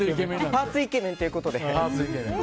パーツイケメンということで。